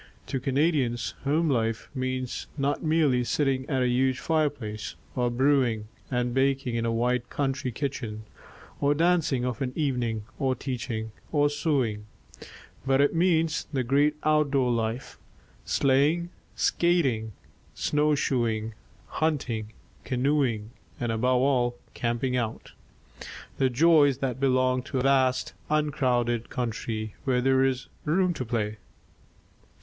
To Canadians, home life means not merely sitting at a huge fire place, or brewing and baking in a wide country kitchen, or dancing of an evening, or teaching, or sewing ; but it means the great outdoor life — sleighing, skating, snow shoeing, hunting, canoeing, and, above all, " camping out "— the joys that belong to a vast, uncrowded country, where there is " room to play."